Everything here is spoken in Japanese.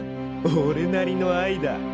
俺なりの愛だ。